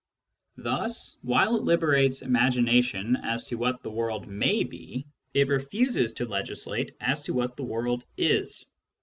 Thus, while it liberates imagination as to what the world may be, it refuses to legislate as to what the world is.